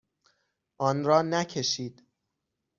آن را نکشید.